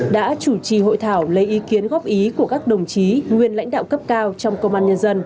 đã chủ trì hội thảo lấy ý kiến góp ý của các đồng chí nguyên lãnh đạo cấp cao trong công an nhân dân